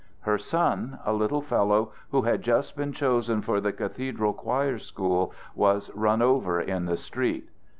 Her son, a little fellow who had just been chosen for the cathedral choir school was run over in the street.